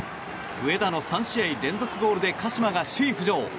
上田の３試合連続ゴールで鹿島が首位浮上。